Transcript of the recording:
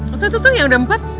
foto tuh yang udah empat